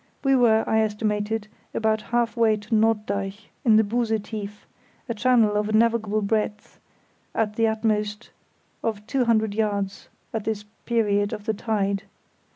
We were, I estimated, about half way to Norddeich, in the Buse Tief, a channel of a navigable breadth, at the utmost of two hundred yards at this period of the tide.